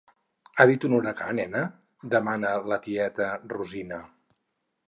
Ha dit un huracà, nena? —demana la tieta Rosina.